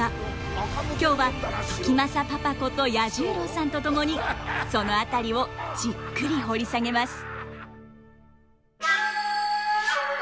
今日は時政パパこと彌十郎さんと共にその辺りをじっくり掘り下げます。